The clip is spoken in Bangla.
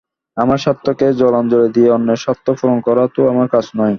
আমার স্বার্থকে জলাঞ্জলি দিয়ে অন্যের স্বার্থ পূরণ করা তো আমার কাজ নয়।